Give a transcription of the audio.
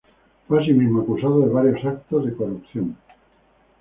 Fue asimismo acusado de varios actos de corrupción.